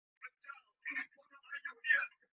เป็นรวมกันทำงานของกลุ่ม